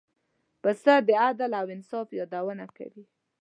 پسه د عدل او انصاف یادونه کوي.